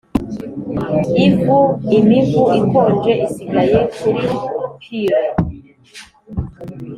ivu, imivu ikonje isigaye kuri pyre!